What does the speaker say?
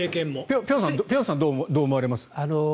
辺さん、どう思われます？